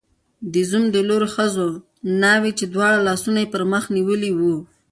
د زوم د لوري ښځو ناوې، چې دواړه لاسونه یې پر مخ نیولي وو